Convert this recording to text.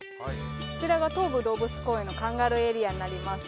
こちらが東武動物公園のカンガルーエリアになります